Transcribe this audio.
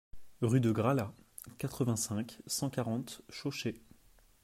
Rue de Grasla, quatre-vingt-cinq, cent quarante Chauché